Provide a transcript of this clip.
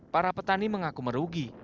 para petani mengaku merugi